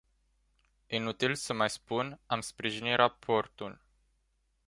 Inutil să mai spun, am sprijinit raportul.